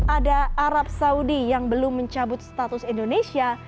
ada arab saudi yang belum mencabut status indonesia